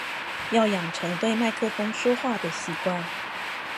要養成對麥克風說話的習慣